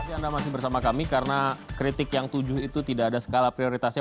terima kasih anda masih bersama kami karena kritik yang tujuh itu tidak ada skala prioritasnya